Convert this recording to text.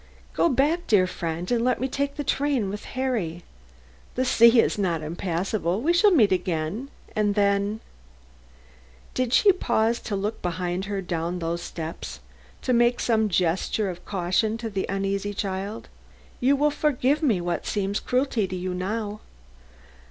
Go back, dear friend, and let me take the train with Harry. The sea is not impassable. We shall meet again, and then " Did she pause to look behind her down those steps to make some gesture of caution to the uneasy child? "you will forgive me for what seems cruelty to you now.